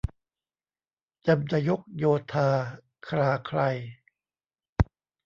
จำจะยกโยธาคลาไคล